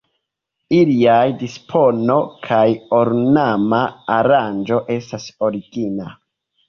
Iliaj dispono kaj ornama aranĝo estas origina.